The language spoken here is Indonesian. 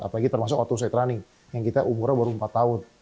apalagi termasuk o dua sight running yang kita umurnya baru empat tahun